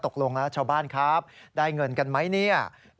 ตกลงแล้วชาวบ้านครับได้เงินกันไหมเนี่ย